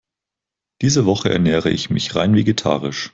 Diese Woche ernähre ich mich rein vegetarisch.